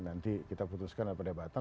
nanti kita putuskan ada perdebatan